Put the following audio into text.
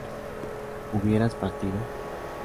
¿hubierais partido?